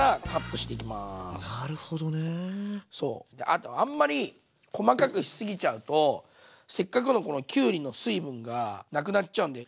あとあんまり細かくしすぎちゃうとせっかくのこのきゅうりの水分がなくなっちゃうんで。